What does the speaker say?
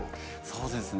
そうですね